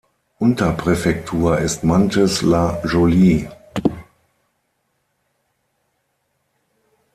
Unterpräfektur ist Mantes-la-Jolie.